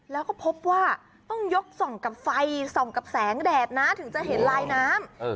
แล้วก็พบว่าต้องยกส่องกับไฟส่องกับแสงแดดนะถึงจะเห็นลายน้ำ